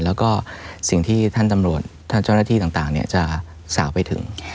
แล้วก็สิ่งที่ท่านตำรวจท่านเจ้าหน้าที่ต่างจะสาวไปถึง